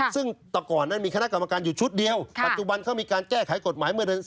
ซึ่งต่อก่อนนั้นมีคณะกรรมการอยู่ชุดเดียวปัจจุบันเขามีการแก้ไขกฎหมายเมื่อเดือน๔